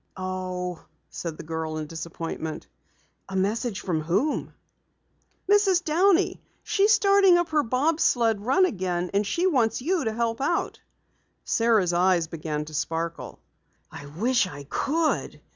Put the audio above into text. "Oh," said the girl in disappointment. "A message from whom?" "Mrs. Downey. She is starting up her bob sled run again and she wants you to help out." Sara's eyes began to sparkle. "I wish I could!